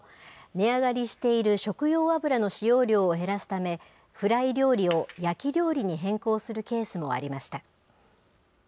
値上がりしている食用油の使用量を減らすため、フライ料理を焼き料理に変更するケースもありました。